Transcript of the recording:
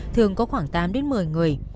thường có khoảng tám một mươi người